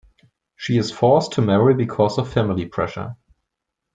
She is forced to marry because of family pressure.